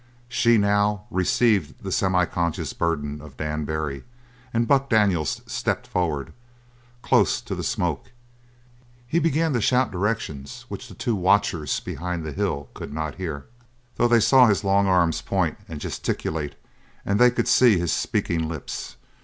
She, now, received the semi conscious burden of Dan Barry, and Buck Daniels stepped forward, close to the smoke. He began to shout directions which the two watchers behind the hill could not hear, though they saw his long arms point and gesticulate and they could see his speaking lips.